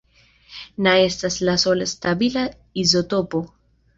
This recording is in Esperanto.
Na estas la sola stabila izotopo.